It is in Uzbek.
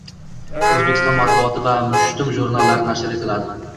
O‘zbekiston matbuoti va "Mushtum" jurnallari nashr etiladi